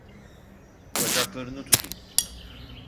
Bacaklarını tutun.